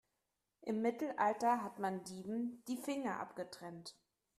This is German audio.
Im Mittelalter hat man Dieben die Finger abgetrennt.